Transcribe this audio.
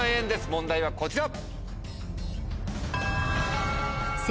問題はこちら。